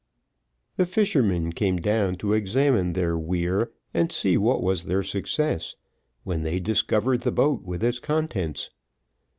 The fishermen came down to examine their weir, and see what was their success, when they discovered the boat with its contents.